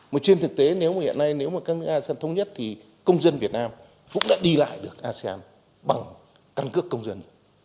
mà trên thực tế nếu mà hiện nay nếu mà các nước asean thống nhất thì công dân việt nam cũng đã đi lại được asean bằng căn cước công dân